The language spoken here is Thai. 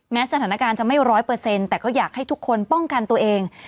สถานการณ์จะไม่ร้อยเปอร์เซ็นต์แต่ก็อยากให้ทุกคนป้องกันตัวเอง